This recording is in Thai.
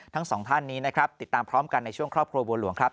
ทั้งสองท่านนี้นะครับติดตามพร้อมกันในช่วงครอบครัวบัวหลวงครับ